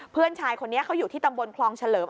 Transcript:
เพื่อนชายคนนี้เขาอยู่ที่ตำบลคลองเฉลิม